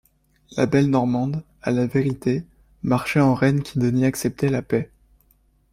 La belle Normande, à la vérité, marchait en reine qui daignait accepter la paix.